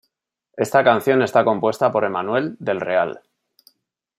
Esta canción está compuesta por Emmanuel del Real.